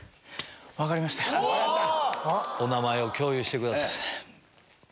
お名前を共有してください。